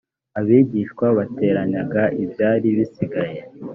abigishwa bateranyaga ibyari bisigaye